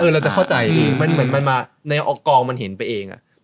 เออเราจะเข้าใจที่มันคือมันมาในออกกองมันเห็นไปเองอะ